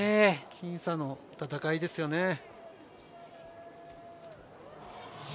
僅差の戦いですよね。